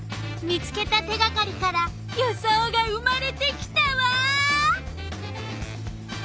見つけた手がかりから予想が生まれてきたわ！